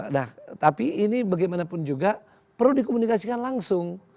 nah tapi ini bagaimanapun juga perlu dikomunikasikan langsung